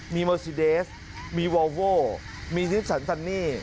มีเมอร์ซีเดสมีวอลโว้มีซิสสันซันนี่